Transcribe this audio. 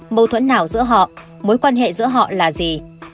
mâu thuẫn nào giữa họ mối quan hệ giữa họ là gì